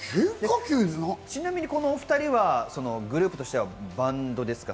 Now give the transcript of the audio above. ちなみに、このお２人はグループとしてはバンドですか？